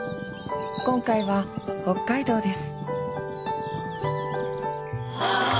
今回は北海道です